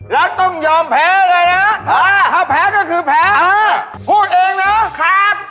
แล้วต้องยอมแพ้เลยนะถ้าแพ้ก็คือแพ้พูดเองนะครับ